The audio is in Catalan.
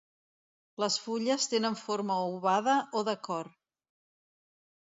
Les fulles tenen forma ovada o de cor.